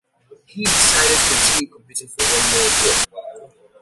He decided to continue competing for one more year.